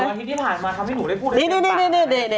อันที่ที่ผ่านมาทำให้หนูได้พูดได้เป็นปากนี่